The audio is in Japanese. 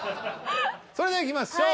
それではいきましょう。